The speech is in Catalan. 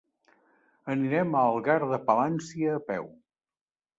Anirem a Algar de Palància a peu.